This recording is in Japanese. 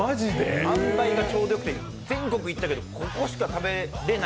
あんばいがちょうどよくて全国行ったけどここでしか食べられない。